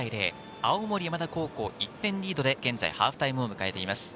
青森山田高校、１点リードで現在ハーフタイムを迎えています。